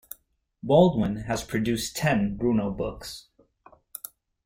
Baldwin has produced ten "Bruno" books.